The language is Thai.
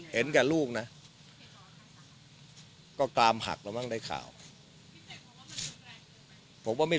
แก่ลูกนะก็กามหักแล้วมั้งได้ข่าวว่าไม่